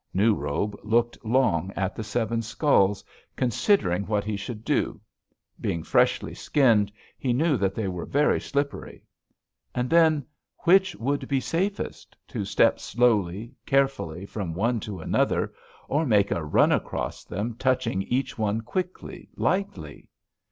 "New Robe looked long at the seven skulls, considering what he should do. Being freshly skinned, he knew that they were very slippery. And then, which would be safest, to step slowly, carefully, from one to another, or make a run across them touching each one quickly, lightly?